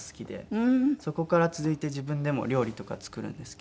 そこから続いて自分でも料理とか作るんですけど。